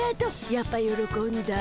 やっぱよろこんだ。